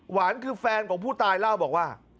หวานคือแฟนของผู้ตายเล่าบอกว่า